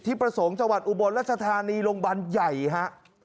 ประสงค์จังหวัดอุบลรัชธานีโรงพยาบาลใหญ่ฮะ